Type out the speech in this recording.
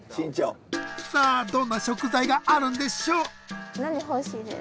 さあどんな食材があるんでしょ？